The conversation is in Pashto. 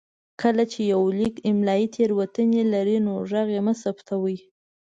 کله چې يو ليک املايي تېروتنې لري نو غږ يې مه ثبتوئ.